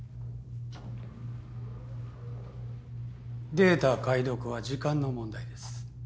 データ解読は時間の問題です。